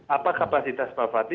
apa kapasitas pak fadli